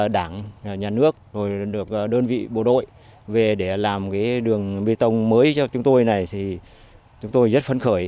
đảng nhà nước đơn vị bộ đội về để làm đường bê tông mới cho chúng tôi này chúng tôi rất phấn khởi